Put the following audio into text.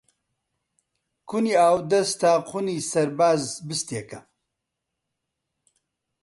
کونی ئاودەست تا قوونی سەرباز بستێکە